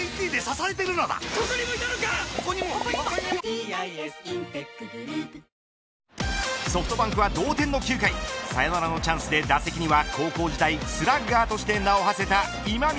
ＢＥＴＨＥＣＨＡＮＧＥ三井不動産ソフトバンクは同点の９回サヨナラのチャンスで打席には高校時代スラッガーとして名を馳せた今宮。